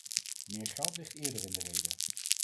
Méér geld ligt eerder in de rede.